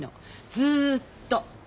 ずっと。